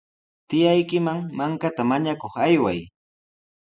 Tiyaykiman mankata mañakuq ayway.